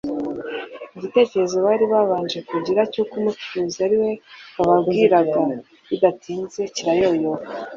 Igitekerezo bari babanje kugira cy'uko Umucunguzi ari we wababwiraga, bidatinze kirayoyoka.